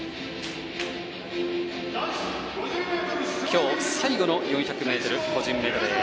今日最後の４００ｍ個人メドレー。